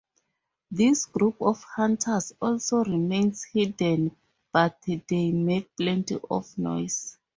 This group of hunters also remains hidden, but they make plenty of noise.